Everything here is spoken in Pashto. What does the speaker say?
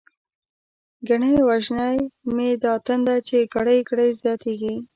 گڼی وژنی می دا تنده، چی گړی گړی زیاتتیږی